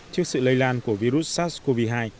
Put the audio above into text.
trước sự lây lan của virus sars cov hai